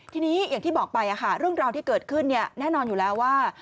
ทีนี้อย่างที่บอกไปเรื่องราวที่เกิดขึ้นแน่นอนอยู่แล้วว่า